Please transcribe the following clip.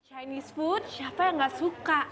chinese food siapa yang gak suka